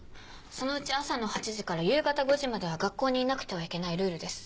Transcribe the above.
そのうち朝の８時から夕方５時までは学校にいなくてはいけないルールです。